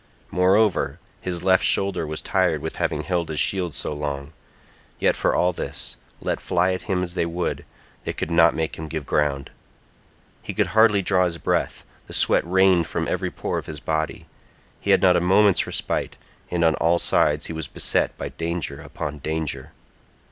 Moreover his left shoulder was tired with having held his shield so long, yet for all this, let fly at him as they would, they could not make him give ground. He could hardly draw his breath, the sweat rained from every pore of his body, he had not a moment's respite, and on all sides he was beset by danger upon danger.